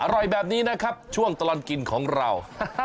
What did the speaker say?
อร่อยแบบนี้นะครับช่วงตลอดกินของเรา